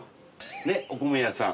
ねっお米屋さん。